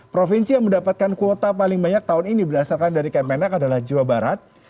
provinsi yang mendapatkan kuota paling banyak tahun ini berdasarkan dari kemenak adalah jawa barat